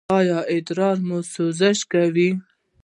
ایا ادرار مو سوزش کوي؟